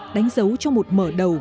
đánh dấu cho một mở đầu